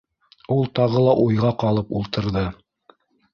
Ул тағы ла уйға ҡалып ултырҙы.